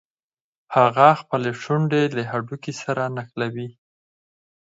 هغه خپلې شونډې له هډوکي سره نښلوي.